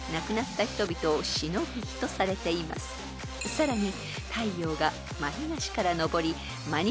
［さらに］